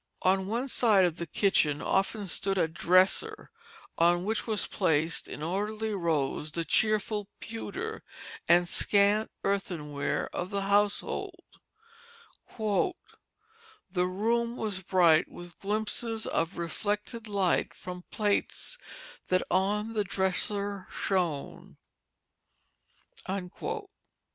On one side of the kitchen often stood a dresser, on which was placed in orderly rows the cheerful pewter and scant earthenware of the household: " the room was bright With glimpses of reflected light, From plates that on the dresser shone."